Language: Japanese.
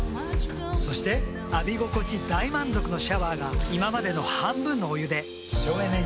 そして浴び心地大満足のシャワーが今までの半分のお湯で省エネに。